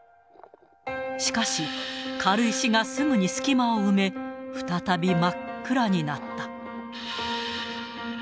しかし、軽石がすぐに隙間を埋め、再び真っ暗になった。